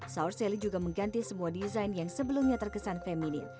saur selly juga mengganti semua desain yang sebelumnya terkesan feminin